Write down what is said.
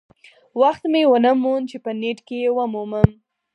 وخت مې ونه موند چې په نیټ کې یې ومومم.